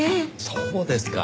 そうですか。